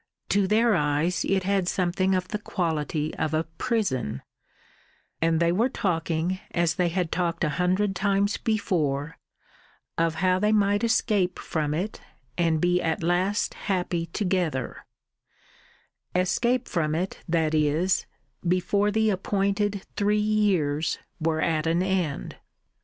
To their eyes it had something of the quality of a prison, and they were talking, as they had talked a hundred times before, of how they might escape from it and be at last happy together: escape from it, that is, before the appointed three years were at an end.